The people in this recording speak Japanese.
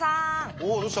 おうどうした？